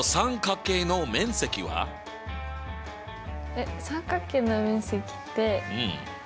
えっ三角形の面積って底辺×